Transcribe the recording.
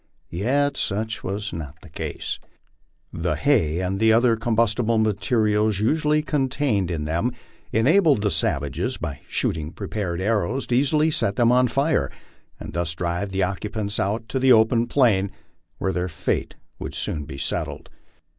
Yet such was not the case. The hay and other combustible material usually contained in them enabled the savages, by shooting prepared arrows, to easily set them on fire, and thus drive the occupants out to the open plain, where thcflr fate would soon be settled.